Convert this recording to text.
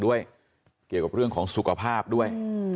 เกี่ยวกับเรื่องของสุขภาพด้วย